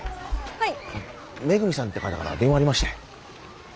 はい。